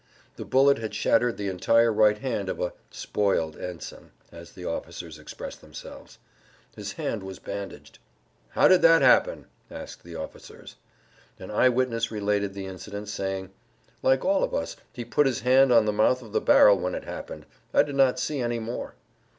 The bullet had shattered the entire right hand of a "spoiled ensign," as the officers express themselves. His hand was bandaged. "How did that happen?" asked the officers. An eyewitness related the incident saying: "Like all of us he put his hand on the mouth of the barrel when it happened; I did not see any more."